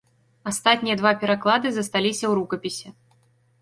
Астатнія два пераклады засталіся ў рукапісе.